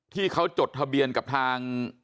ที่เขาจดทะเบียนกับทาง